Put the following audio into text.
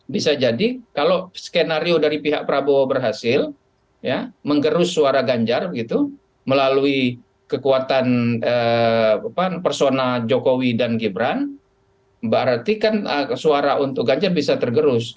bisa jadi kalau skenario dari pihak prabowo berhasil menggerus suara ganjar gitu melalui kekuatan personal jokowi dan gibran berarti kan suara untuk ganjar bisa tergerus